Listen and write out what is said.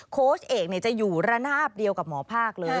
โค้ชเอกจะอยู่ระนาบเดียวกับหมอภาคเลย